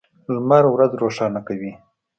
لمر ورځ روښانه کوي.